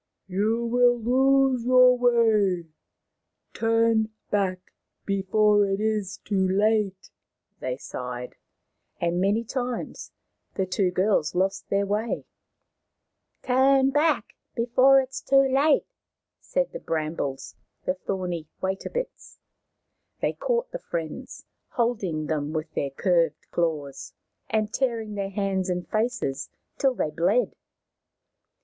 " You will lose your way. Turn back before it is too late," they sighed. And many times the two girls lost their way. 52 Maoriland Fairy Tales " Turn back before it is too late," said the brambles, the thorny wait a bits. They caught the friends, holding them with their curved claws, and tearing their hands and faces till they bled.